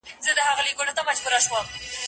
پر هوسۍ سترګو چي رنګ د کجل راسي